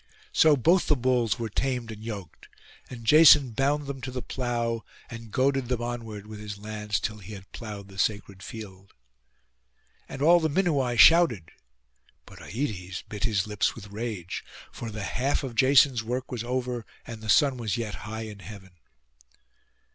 So both the bulls were tamed and yoked; and Jason bound them to the plough, and goaded them onward with his lance till he had ploughed the sacred field. And all the Minuai shouted; but Aietes bit his lips with rage, for the half of Jason's work was over, and the sun was yet high in heaven.